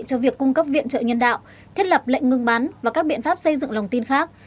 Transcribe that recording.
cho việc cung cấp viện trợ nhân đạo thiết lập lệnh ngừng bắn và các biện pháp xây dựng lòng tin khác